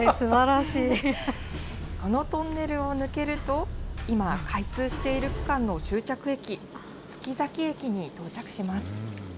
このトンネルを抜けると、今、開通している区間の終着駅、月崎駅に到着します。